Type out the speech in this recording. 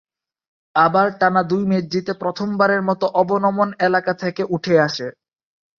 আবার টানা দুই ম্যাচ জিতে প্রথমবারের মত অবনমন এলাকা থেকে উঠে আসে।